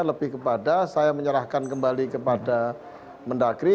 lebih kepada saya menyerahkan kembali kepada mendagri